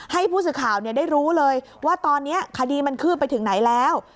ให้ผู้สื่อข่าวได้รู้เลยว่าตอนนี้คดีมันคืบไปถึงไหนแล้ว